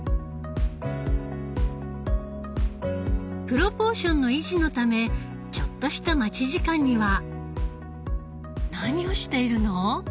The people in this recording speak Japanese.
プロポーションの維持のためちょっとした待ち時間には何をしているの？